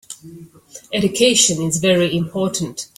Education is very important.